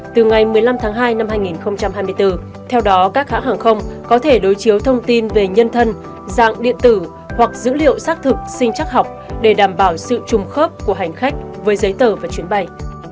từ ngày một mươi năm tháng hai năm hai nghìn hai mươi bốn theo đó các hãng hàng không có thể đối chiếu thông tin về nhân thân dạng điện tử hoặc dữ liệu xác thực sinh chắc học để đảm bảo sự chung khớp của hành khách với giấy tờ và chuyến bay